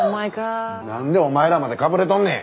なんでお前らまでかぶれとんねん！